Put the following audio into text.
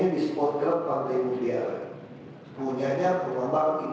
besarnya sesuai formulasi